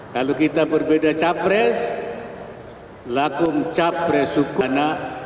kalau kita berbeda capres lakum capres hukum walana